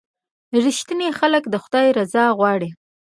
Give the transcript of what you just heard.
• رښتیني خلک د خدای رضا غواړي.